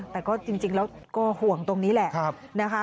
แต่ก็จริงแล้วก็ห่วงตรงนี้แหละนะคะ